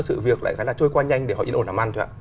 sự việc lại trôi qua nhanh để họ yên ổn làm ăn thôi ạ